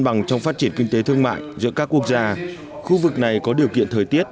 bằng trong phát triển kinh tế thương mại giữa các quốc gia khu vực này có điều kiện thời tiết